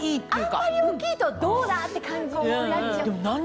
あんまり大きいとどうだ！って感じになっちゃう。